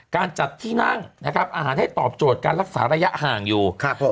การจัดที่นั่งนะครับอาหารให้ตอบโจทย์การรักษาระยะห่างอยู่